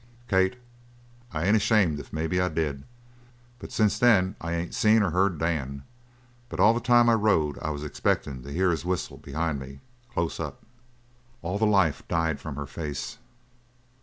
"Kate, I ain't ashamed if maybe I did. But since then I ain't seen or heard Dan, but all the time I rode I was expecting to hear his whistle behind me, close up." All the life died from her face.